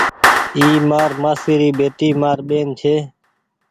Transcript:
اي مآر مآسي ري ٻيٽي مآر ٻيهن ڇي۔